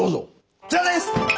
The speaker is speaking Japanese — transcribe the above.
こちらです！